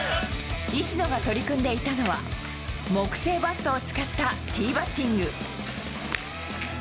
石野が取り組んでいたのは、木製バットを使ったティーバッティング。